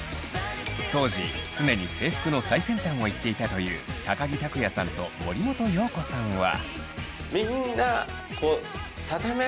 当時常に制服の最先端をいっていたという木琢也さんと森本容子さんは。